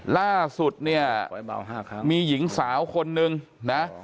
ล่าสุดเนี่ยมีหญิงสาวคนนึงนะ